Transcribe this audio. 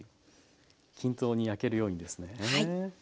均等に焼けるようにですね。